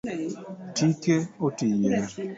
Tike oti yier